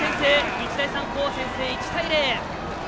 日大三高先制、１対０！